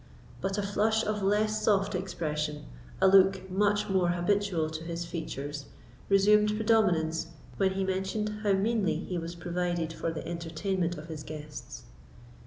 But a flush of less soft expression, a look much more habitual to his features, resumed predominance when he mentioned how meanly he was provided for the entertainment of his guests.